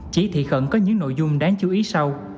chỉ thị khẩn có những nội dung đáng chú ý sau